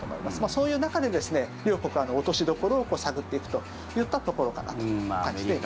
そういう中で、両国落としどころを探っていくといったところかなと感じています。